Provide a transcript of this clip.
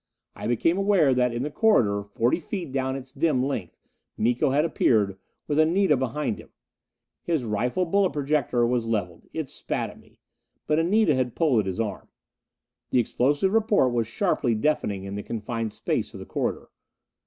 I became aware that in the corridor, forty feet down its dim length, Miko had appeared, with Anita behind him. His rifle bullet projector was leveled. It spat at me. But Anita had pulled at his arm. The explosive report was sharply deafening in the confined space of the corridor.